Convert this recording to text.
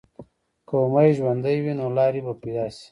که امید ژوندی وي، نو لارې به پیدا شي.